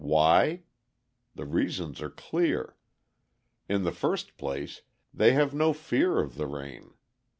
Why? The reasons are clear. In the first place, they have no fear of the rain.